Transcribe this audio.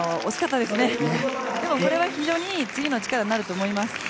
でもこれは非常に次の力になると思います。